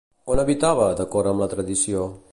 On habitava, d'acord amb la tradició?